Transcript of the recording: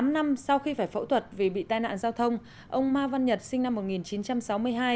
tám năm sau khi phải phẫu thuật vì bị tai nạn giao thông ông ma văn nhật sinh năm một nghìn chín trăm sáu mươi hai